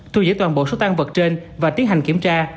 thu giữ toàn bộ số tan vật trên và tiến hành kiểm tra